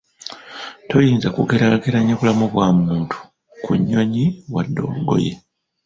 Toyinza kugeraageranya bulamu bwa muntu ku nnyonyi wadde olugoye.